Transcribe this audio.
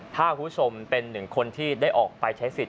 ถ้าคุณผู้ชมเป็นหนึ่งคนที่ได้ออกไปใช้สิทธิ